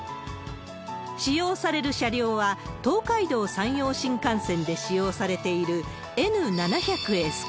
使用される車両は、東海道・山陽新幹線で使用されているＮ７００Ｓ系。